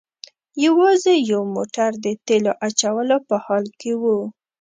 یوازې یو موټر د تیلو اچولو په حال کې و.